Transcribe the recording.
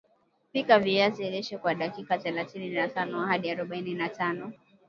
pika viazi lishe kwa dakika thelatini na tano hadi arobaini na tano